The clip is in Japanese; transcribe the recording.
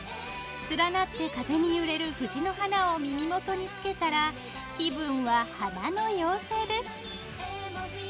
連なって風に揺れる藤の花を耳元につけたら気分は花の妖精です！